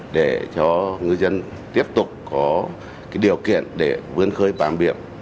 để cho người dân tiếp tục có điều kiện để vươn khơi bàn biển